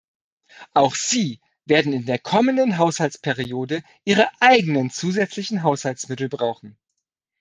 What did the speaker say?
Auch sie werden in der kommenden Haushaltsperiode ihre eigenen zusätzlichen Haushaltsmittel brauchen.